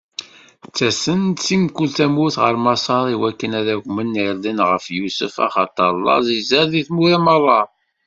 Ttasen-d si mkul tamurt ɣer Maṣer iwakken ad aǧwen irden ɣef Yusef, axaṭer laẓ izad di tmura meṛṛa.